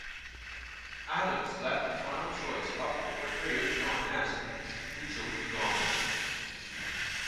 Addams left the final choice up to portrayer John Astin, who chose Gomez.